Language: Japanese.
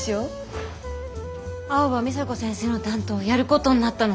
青葉美砂子先生の担当やることになったの。